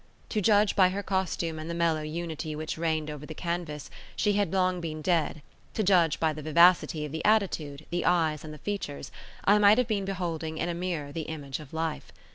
To judge by her costume and the mellow unity which reigned over the canvas, she had long been dead; to judge by the vivacity of the attitude, the eyes and the features, I might have been beholding in a mirror the image of life.